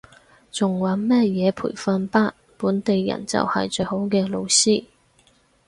仲揾乜嘢培訓班，本地人就係最好嘅老師